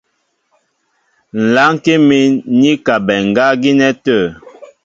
Ŋ̀ lánkí mín i kabɛ ŋgá gínɛ́ tə̂.